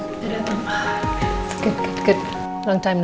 geng ga pelan pelan